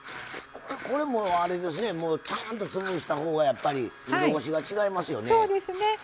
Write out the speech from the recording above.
これもあれですねちゃんと潰した方がやっぱり喉越しが違いますよね？